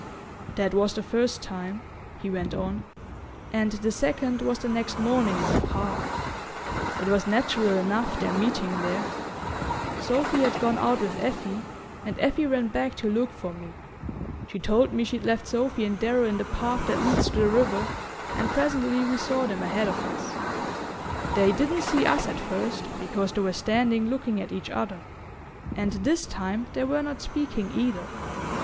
"That was the first time," he went on; "and the second was the next morning in the park. It was natural enough, their meeting there. Sophy had gone out with Effie, and Effie ran back to look for me. She told me she'd left Sophy and Darrow in the path that leads to the river, and presently we saw them ahead of us. They didn't see us at first, because they were standing looking at each other; and this time they were not speaking either.